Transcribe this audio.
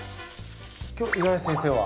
今日五十嵐先生は？